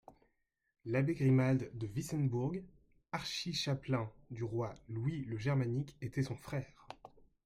L'abbé Grimald de Wissembourg, archichapelain du roi Louis le Germanique, était son frère.